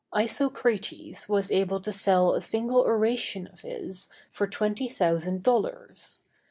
Isocrates was able to sell a single oration of his for twenty thousand dollars.